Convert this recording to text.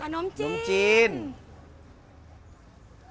นมจริง